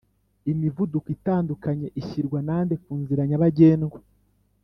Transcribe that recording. Imivuduko itandukanye ishyirwa nande ku nzira nyabagendwa